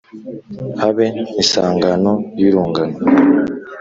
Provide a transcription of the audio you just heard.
Habe isangano y'urungano